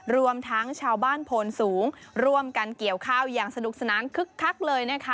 รวมทั้งชาวบ้านโพนสูงร่วมกันเกี่ยวข้าวอย่างสนุกสนานคึกคักเลยนะคะ